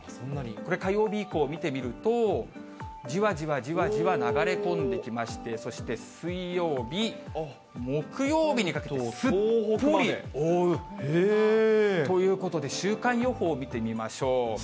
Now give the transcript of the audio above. これ、火曜日以降見てみると、じわじわじわじわ流れ込んできまして、そして水曜日、木曜日にかけて、すっぽり覆うということで、週間予報見てみましょう。